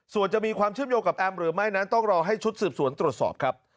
ส่วนจะมีความเชื่อมโยงกับแอมหรือไม่นั้นต้องรอให้ชุดสืบสวนตรวจสอบครับ